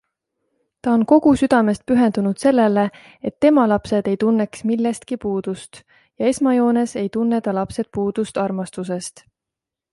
Ta on kogu südamest pühendunud sellele, et tema lapsed ei tunneks millestki puudust - ja esmajoones ei tunne ta lapsed puudust armastusest.